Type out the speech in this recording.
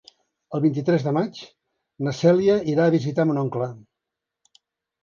El vint-i-tres de maig na Cèlia irà a visitar mon oncle.